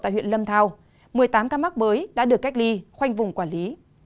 tại huyện lâm thao một mươi tám ca mắc mới đã được cách ly khoanh vùng quản lý